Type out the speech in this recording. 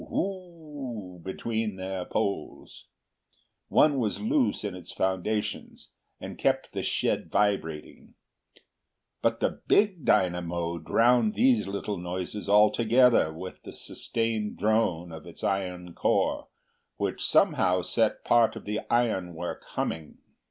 whoo! between their poles. One was loose in its foundations and kept the shed vibrating. But the big dynamo drowned these little noises altogether with the sustained drone of its iron core, which somehow set part of the ironwork humming.